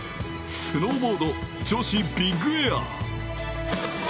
スノーボード女子ビッグエア。